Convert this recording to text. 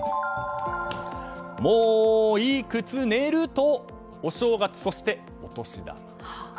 もういくつねるとお正月そして、お年玉。